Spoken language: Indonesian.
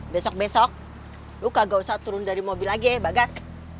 besok besok luka gak usah turun dari mobil lagi bagas